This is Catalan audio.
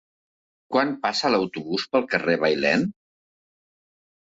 Quan passa l'autobús pel carrer Bailèn?